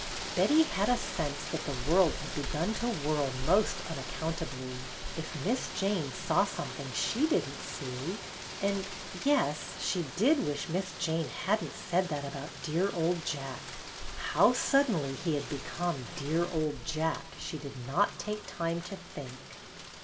" Betty had a sense that the world had begun to whirl most unaccountably, if Miss Jane saw something she did n't see, and — yes, she did wish Miss Jane hadn't said that about dear old Jack. How suddenly he had become "dear old Jack" she did not take time to think.